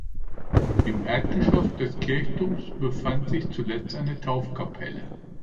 Im Erdgeschoß des Kirchturmes befand sich zuletzt eine Taufkapelle.